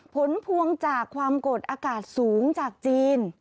ผลพวงจากความกดอากาศสูงจากจีน